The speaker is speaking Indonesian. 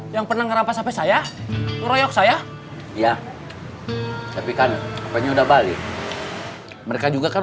yang pernah merampas hp saya itu royok saya ya tapi kan hpnya udah balik mereka juga kan